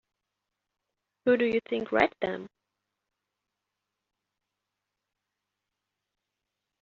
Who do you think writes them?